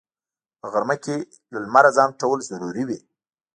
په غرمه کې له لمره ځان پټول ضروري وي